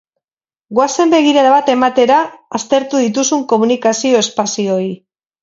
Goazen begirada bat ematera aztertu dituzun komunikazio espazioei.